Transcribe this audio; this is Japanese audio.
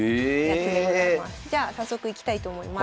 じゃあ早速いきたいと思います。